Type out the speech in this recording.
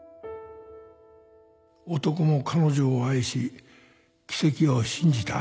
男も彼女を愛し奇跡を信じた